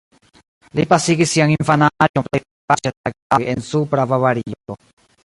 Li pasigis sian infanaĝon plejparte ĉe la geavoj en Supra Bavario.